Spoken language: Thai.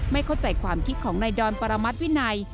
ไม่เข้าใจความคิดของนายดอนปรมัติวินัย